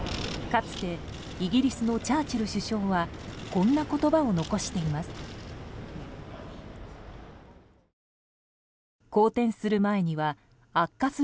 かつでイギリスのチャーチル首相はこんな言葉を残しています。